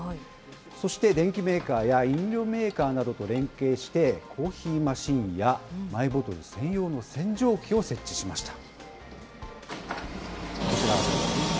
そして電機メーカーや飲料メーカーなどと連携して、コーヒーマシンやマイボトル専用の洗浄機を設置しました。